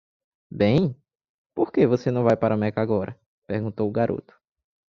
"Bem? por que você não vai para Meca agora??" Perguntou o garoto.